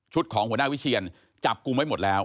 ของหัวหน้าวิเชียนจับกลุ่มไว้หมดแล้ว